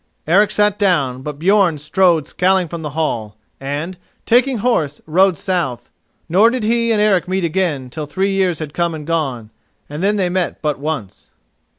Eric sat down, but Björn strode scowling from the hall, and, taking horse, rode south; nor did he and Eric meet again till three years had come and gone, and then they met but once.